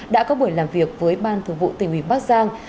đã có buổi làm việc với ban thường vụ tỉnh ủy bắc giang